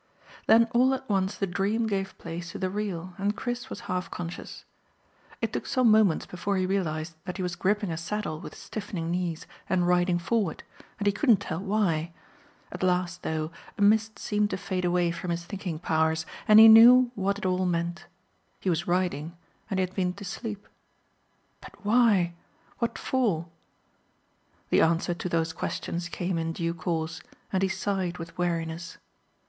Then all at once the dream gave place to the real, and Chris was half conscious. It took some moments before he realised that he was gripping a saddle with stiffening knees and riding forward, and he couldn't tell why. At last, though, a mist seemed to fade away from his thinking powers, and he knew what it all meant. He was riding, and he had been to sleep. But why? What for? The answer to those questions came in due course, and he sighed with weariness.